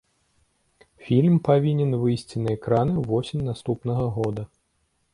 Фільм павінен выйсці на экраны ўвосень наступнага года.